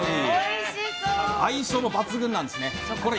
相性も抜群なんです。